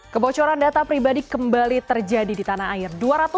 kebocoran data pribadi kembali terjadi di tanah air